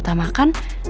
gak dapet jatah makan